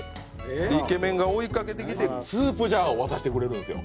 イケメンが追いかけてきてスープジャーを渡してくれるんですよ。